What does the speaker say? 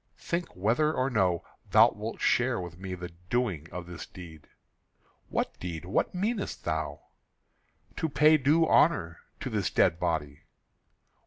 "Think whether or no thou wilt share with me the doing of this deed." "What deed? What meanest thou?" "To pay due honour to this dead body."